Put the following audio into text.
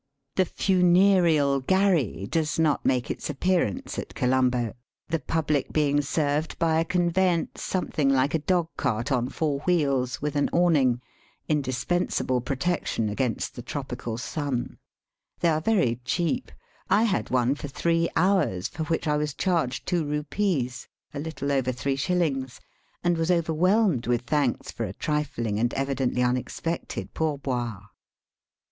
The funereal gharry does not make its appearance at Colombo, the public being served by a conveyance something like a dog cart on four wheels, with an awning — indis pensable protection against the tropical sun. Digitized by VjOOQIC 148 EAST BY WEST. They are very cheap. I had one for three hours, for which I was charged two rupees — a little over three shillings — and was over whelmed with thanks for a trifling and evi dently unexpected pourboire.